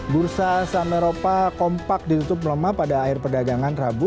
bursa saham eropa kompak ditutup melemah pada akhir perdagangan rabu